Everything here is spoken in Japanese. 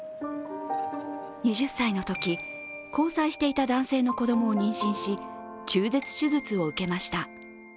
２０歳のとき交際していた男性の子供を妊娠し、中絶手術を受けました。